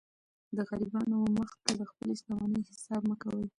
د غریبانو و مخ ته د خپلي شتمنۍ حساب مه کوئ!